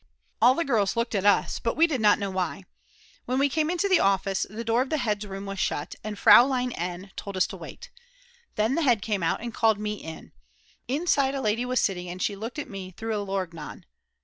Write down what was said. All the girls looked at us, but we did not know why. When we came into the office, the door of the head's room was shut and Fraulein N. told us to wait. Then the head came out and called me in. Inside a lady was sitting, and she looked at me through a lorgnon.